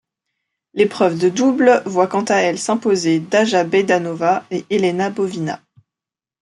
L'épreuve de double voit quant à elle s'imposer Dája Bedáňová et Elena Bovina.